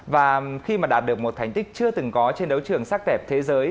và khi mà đạt được một thành tích chưa từng có trên đấu trường sắc đẹp thế giới